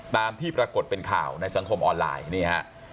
ตามที่ปรากฏเป็นข่าวในสังคมออนไลน์นี่ฮะ